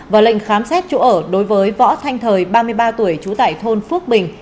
và lệnh khám xét chỗ ở đối với võ thanh thời ba mươi ba tuổi trú tại thôn phước bình